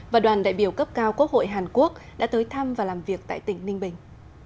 và đoàn đại biểu cấp cao quốc hội hàn quốc đã tới thăm và làm việc tại tỉnh ninh bình